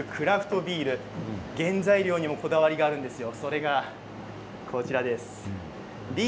その一環で作られているクラフトビール、原材料にもこだわりがあるんですよ。